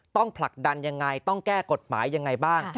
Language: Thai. ผลักดันยังไงต้องแก้กฎหมายยังไงบ้าง